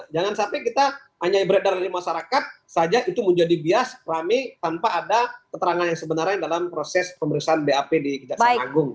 jangan sampai kita hanya beredar dari masyarakat saja itu menjadi bias rame tanpa ada keterangan yang sebenarnya dalam proses pemeriksaan bap di kejaksaan agung